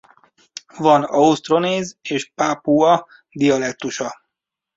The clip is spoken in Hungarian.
Van ausztronéz és pápua dialektusa.